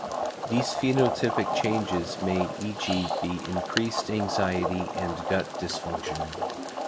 These phenotypic changes may, e.g., be increased anxiety and gut dysfunction.